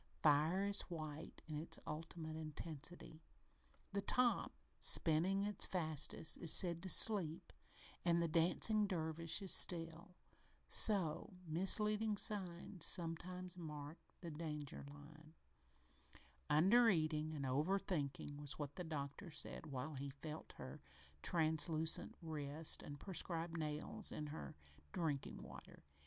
Fire is white in its ultimate intensity. The top, spinning its fastest, is said to "sleep" and the dancing dervish is "still." So, misleading signs sometimes mark the danger line. "Under eating and over thinking" was what the doctor said while he felt her translucent wrist and prescribed nails in her drinking water.